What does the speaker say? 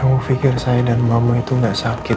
kamu pikir saya dan mamah itu gak sakit